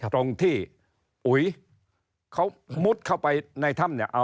ตรงที่อุ๋ยเขามุดเข้าไปในถ้ำเนี่ย